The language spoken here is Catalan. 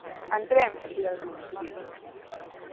Entrem! —crida el més decidit.